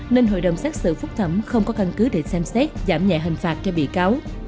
nên hội đồng xét xử phúc thẩm không có căn cứ để xem xét giảm nhẹ hình phạt cho bị cáo